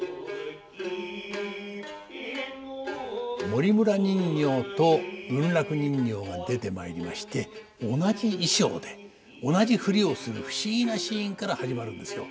森村人形と文楽人形が出てまいりまして同じ衣裳で同じ振りをする不思議なシーンから始まるんですよ。